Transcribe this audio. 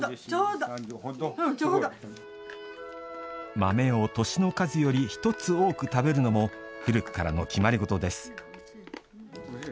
豆を年の数より１つ多く食べるのも古くからの決まりごとです。